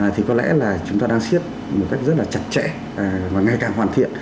thì có lẽ là chúng ta đang siết một cách rất là chặt chẽ và ngày càng hoàn thiện